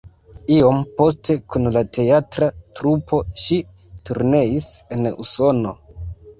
Iom poste kun la teatra trupo ŝi turneis en Usono.